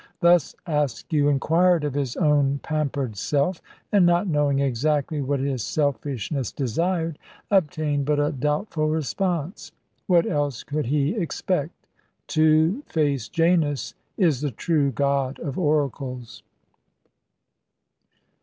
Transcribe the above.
Thus Askew inquired of his own pampered self, and, not knowing exactly what his selfishness desired, obtained but a doubtful response. What else could he expect? Two faced Janus is the true god of oracles.